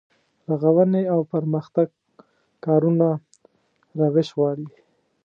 رغونې او پرمختګ کارونه روش غواړي.